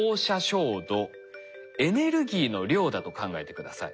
エネルギーの量だと考えて下さい。